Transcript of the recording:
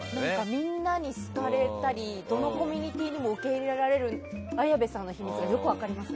みんなに好かれたりどのコミュニティーにも受け入れられる綾部さんの秘密が分かります。